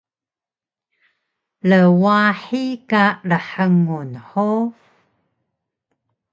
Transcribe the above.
Rwahi ka rhngun hug?